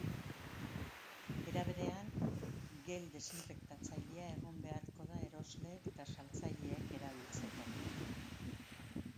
Era berean, gel desinfektatzailea egon beharko da erosleek eta saltzaileek erabiltzeko.